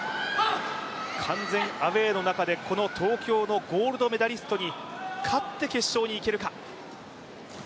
完全アウェーの中でこの東京のゴールドメダリストに勝って決勝に行けるか。